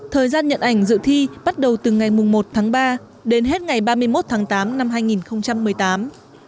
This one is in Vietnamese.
thời gian nhận ảnh dự thi bắt đầu từ ngày một tháng ba đến hết ngày ba mươi một tháng tám năm hai nghìn một mươi tám